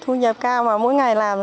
thu nhập cao và mỗi ngày làm